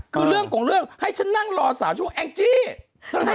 คือเรื่องของเรื่องให้ฉันนั่งรอ๓ชั่วโมงแองจี้